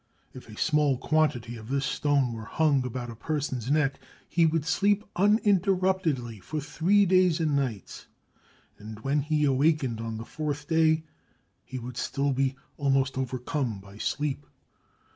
If a small quantity of this stone were hung about a person's neck, he would sleep uninterruptedly for three days and nights, and, when awakened on the fourth day, he would still be almost overcome by sleep.